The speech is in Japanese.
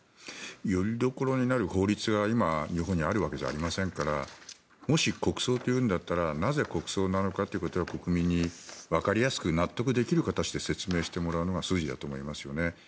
よりどころになる法律が今、日本にあるわけじゃありませんからもし、国葬というんだったらなぜ国葬なのかということを国民にわかりやすく納得できる形で説明してもらうのが筋だと思いますよね。